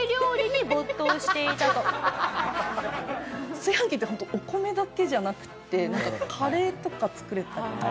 炊飯器ってホントお米だけじゃなくってなんかカレーとか作れたりとか。